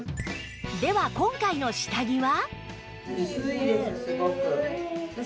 では今回の下着は？